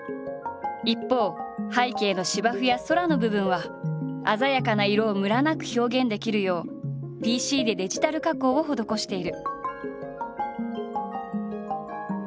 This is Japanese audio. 一方背景の芝生や空の部分は鮮やかな色をムラなく表現できるようＰＣでデジタル加工を施している。